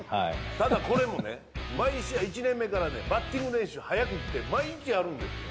ただこれもね毎試合１年目からバッティング練習早く行って毎日やるんですよ。